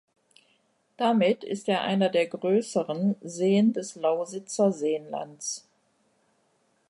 Damit ist er einer der größeren Seen des Lausitzer Seenlands.